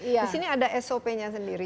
di sini ada sop nya sendiri